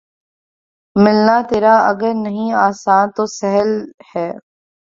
ملنا تیرا اگر نہیں آساں‘ تو سہل ہے